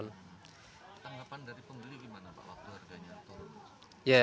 anggapan dari pengguna gimana pak waktu harganya turun